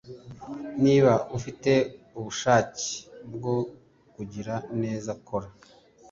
niba ufite ubushake bwo kugira neza, kora